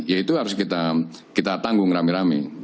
ya itu harus kita tanggung rame rame